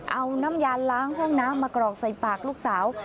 เอาน้ำยานล้างห้องน้ำมากรอกใส่ปากลูกสาว